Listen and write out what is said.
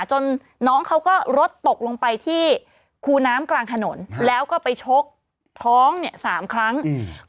จนน้องเขาก็รถตกลงไปที่คูน้ำกลางถนนแล้วก็ไปชกท้องเนี้ยสามครั้งอืม